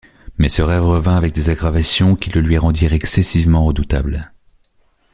Mais ce rêve revint avec des aggravations qui le lui rendirent excessivement redoutable.